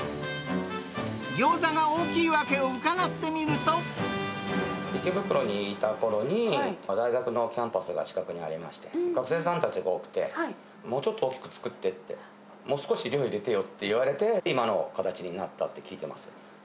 ギョーザが大きい訳を伺ってみる池袋にいたころに、大学のキャンパスが近くにありまして、学生さんたちが多くて、もうちょっと大きく作ってって、もう少し量入れてよって言われて、今の形になったって聞いてます。